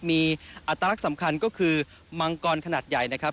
มีอัตลักษณ์สำคัญก็คือมังกรขนาดใหญ่นะครับ